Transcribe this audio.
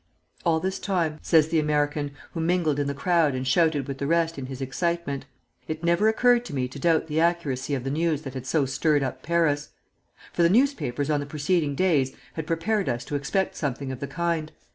"All this time," says the American, who mingled in the crowd and shouted with the rest in his excitement, "it never occurred to me to doubt the accuracy of the news that had so stirred up Paris; for the newspapers on the preceding days had prepared us to expect something of the kind.